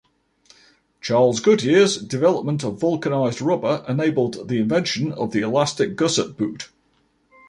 Charles Goodyear's development of vulcanised rubber enabled the invention of the elastic gusset boot.